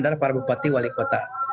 adalah para bupati wali kota